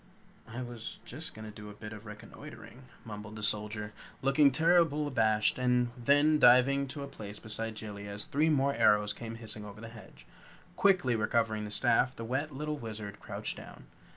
"I was just going to do a bit of reconnoitering," mumbled the Soldier, looking terrible abashed and then diving to a place beside Jellia as three more arrows came hissing over the hedge. Quickly recovering the staff, the wet little Wizard crouched down.